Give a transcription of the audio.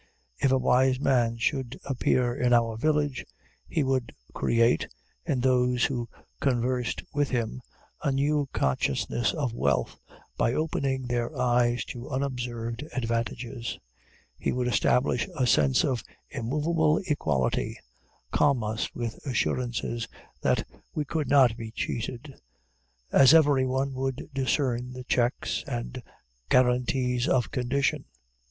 If a wise man should appear in our village, he would create, in those who conversed with him, a new consciousness of wealth, by opening their eyes to unobserved advantages; he would establish a sense of immovable equality, calm us with assurances that we could not be cheated; as everyone would discern the checks and guaranties of condition.